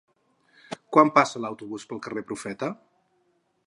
Quan passa l'autobús pel carrer Profeta?